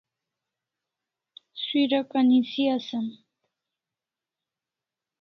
Suiraka nisi asam